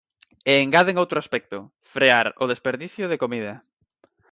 E engaden outro aspecto: frear o desperdicio de comida.